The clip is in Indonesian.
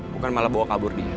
bukan malah bawa kabur dia